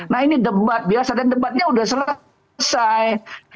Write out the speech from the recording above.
nah ini debat biasa dan debatnya sudah selesai